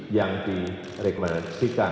yang direkomendasikan oleh kementerian kesehatan